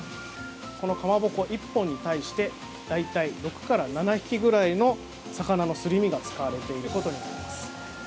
このかまぼこ１本に対して大体６から７匹ぐらいの魚のすり身が使われていることになります。